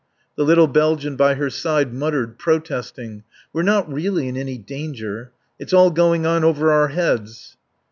The little Belgian by her side muttered, protesting. "We're not really in any danger. It's all going on over our heads."